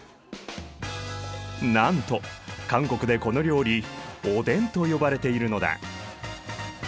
なんと韓国でこの料理オデンと呼ばれているのだ。